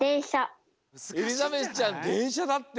エリザベスちゃんでんしゃだって。